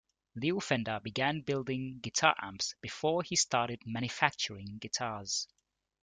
Leo Fender began building guitar amps before he started manufacturing guitars.